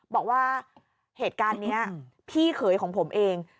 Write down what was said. บอกว่าเหตุการณ์นี้พี่เขยของผมเอง